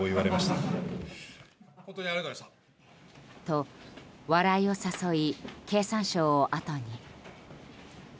と、笑いを誘い経産省をあとに。